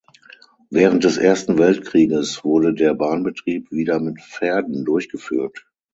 Während des Ersten Weltkrieges wurde der Bahnbetrieb wieder mit Pferden durchgeführt.